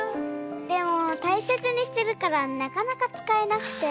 でもたいせつにしてるからなかなかつかえなくて。